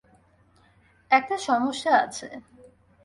একটা সমস্যা আছে।